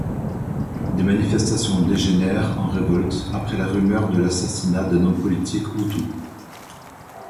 Des manifestations dégénèrent en révoltes après la rumeur de l'assassinat d'un homme politique hutu.